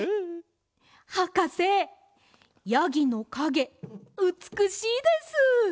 はかせやぎのかげうつくしいです！